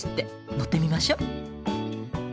乗ってみましょ。